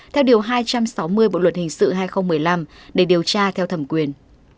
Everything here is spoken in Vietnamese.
theo điều hai trăm sáu mươi bộ luật hình sự hai nghìn một mươi năm để điều tra theo thẩm quyền